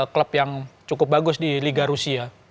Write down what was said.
klub yang cukup bagus di liga rusia